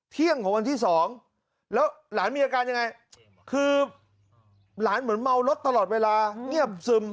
เที่ยงของวันที่๒แล้วหลานมีอาการยังไงคือหลานเหมือนเมารถตลอดเวลาเงียบซึม